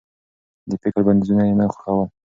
د فکر بنديزونه يې نه خوښول.